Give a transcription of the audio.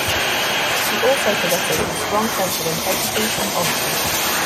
She also possesses a strong sense of integrity and honesty.